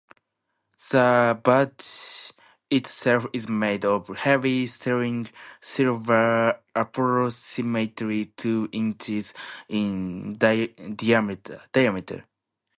The badge itself is made of heavy sterling silver approximately two inches in diameter.